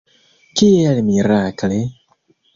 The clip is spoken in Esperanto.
Kiel mirakle!